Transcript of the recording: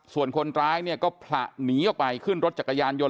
ส่วนคนร้ายเนี่ยก็ผละหนีออกไปขึ้นรถจักรยานยนต